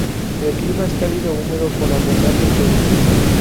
El clima es cálido húmedo con abundantes lluvias.